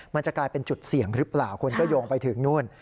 มันจะกลายเป็นจุดเสี่ยงหรือเปล่าคนก็โยงไปถึงนู่น